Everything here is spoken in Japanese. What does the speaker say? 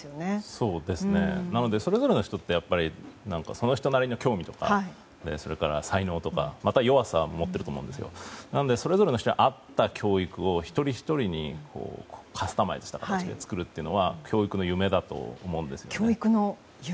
そうですね、なのでそれぞれの人ってその人なりの興味とか、才能とかまた弱さも持っていると思うんですけどそれぞれの人に合った教育を一人ひとりにカスタマイズした形で作るっていうのが教育の夢だと思うんですね。